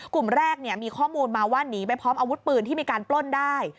กลุ่มแรกมีข้อมูลมาว่าหนีไปพร้อมอาวุธปืนที่มีการปล้นได้